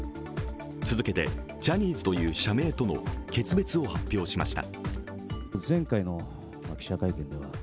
続けて、ジャニーズという社名との決別を発表しました。